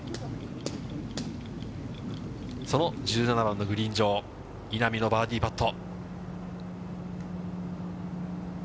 その１７番のグリーン上、稲見のバーディーパット。